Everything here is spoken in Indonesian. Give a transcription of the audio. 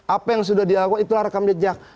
apa yang sudah dilakukan itulah rekam jejak